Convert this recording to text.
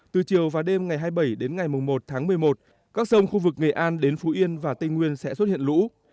từ chiều và đêm ngày hai mươi bảy đến ngày một tháng một mươi một các sông khu vực nghệ an đến phú yên và tây nguyên sẽ xuất hiện lũ